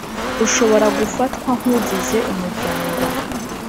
ushobora gufatwa nk’ ugize umuryango.